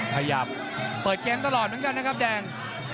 ขยับเปิดเกมตลอดเหมือนกันนะครับแดง